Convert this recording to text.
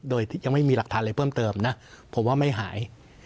โดยยังไม่มีหลักฐานอะไรเพิ่มเติมนะผมว่าไม่หาย